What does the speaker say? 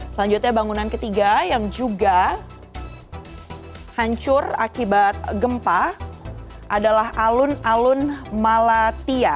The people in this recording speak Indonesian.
selanjutnya bangunan ketiga yang juga hancur akibat gempa adalah alun alun malatia